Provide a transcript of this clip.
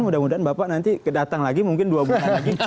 mudah mudahan bapak nanti datang lagi mungkin dua bulan lagi